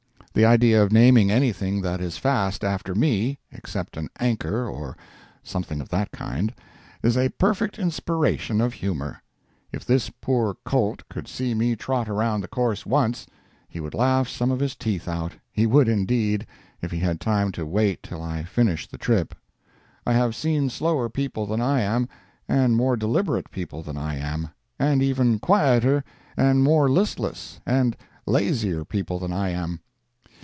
The idea of naming anything that is fast after me—except an anchor or something of that kind—is a perfect inspiration of humor. If this poor colt could see me trot around the course once, he would laugh some of his teeth out—he would indeed, if he had time to wait till I finished the trip. I have seen slower people than I am—and more deliberate people than I am—and even quieter, and more listless, and lazier people than I am.